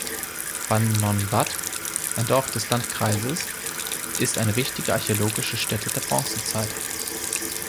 Ban Non Wat, ein Dorf des Landkreises, ist eine wichtige archäologische Stätte der Bronzezeit.